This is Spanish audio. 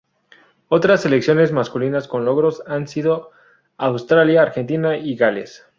Otras selecciones masculinas con logros han sido Australia, Argentina y Gales.